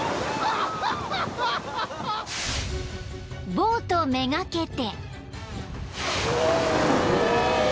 ［ボート目がけて］